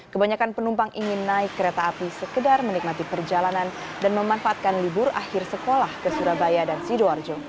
kebanyakan penumpang ingin naik kereta api sekedar menikmati perjalanan dan memanfaatkan libur akhir sekolah ke surabaya dan sidoarjo